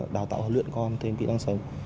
đào tạo huấn luyện con thêm kỹ năng sống